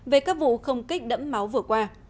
về các vụ không kích đẫm máu vừa qua